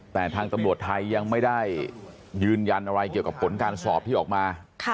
แต่ทางตำรวจไทยยังไม่ได้ยืนยันอะไรเกี่ยวกับผลการสอบที่ออกมา